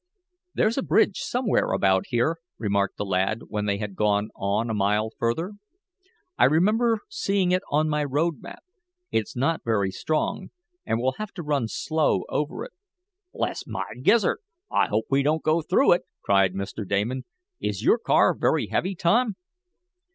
"There's a bridge somewhere about here," remarked the lad, when they had gone on a mile further. "I remember seeing it on my road map. It's not very strong, and we'll have to run slow over it." "Bless my gizzard, I hope we don't go through it!" cried Mr. Damon. "Is your car very heavy, Tom?"